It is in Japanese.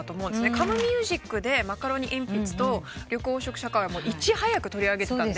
Ｃｏｍｅｍｕｓｉｃでマカロニえんぴつと緑黄色社会はいち早く取り上げてたんで。